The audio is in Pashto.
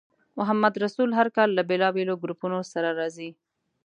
محمدرسول هر کال له بېلابېلو ګروپونو سره راځي.